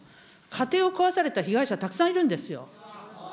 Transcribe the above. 家庭を壊された被害者、たくさんいるんですよ。